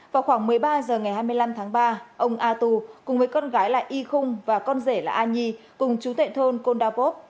vào khoảng một mươi ba h ngày hai mươi năm tháng ba ông a tu cùng với con gái là y khung và con rể là a nhi cùng chú tệ thôn condao pop